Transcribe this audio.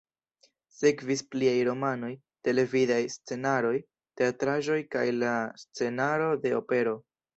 Sekvis pliaj romanoj, televidaj scenaroj, teatraĵoj kaj la scenaro de opero.